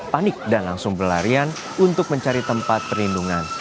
panik dan langsung berlarian untuk mencari tempat perlindungan